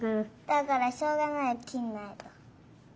だからしょうがないきんないと。